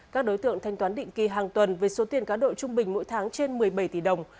các đối tượng thanh toán định kỳ hàng tuần với số tiền cá độ trung bình mỗi tháng trên một mươi bảy tỷ đồng